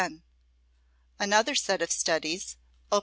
Another set of studies, op.